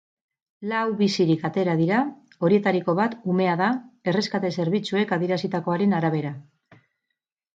Lau bizirik atera dira, horietariko bat umea da, erreskate-zerbitzuek adierazitakoaren arabera.